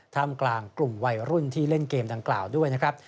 ท่ามกลางกลุ่มวัยรุ่นที่เล่นเกมดังกล่าวด้วยนะครับ